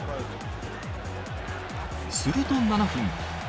すると７分。